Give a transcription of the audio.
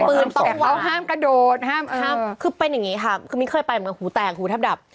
ปืนต้องวางคือเป็นอย่างนี้ค่ะไม่เคยไปเหมือนกับหูแต่งหูทับดับ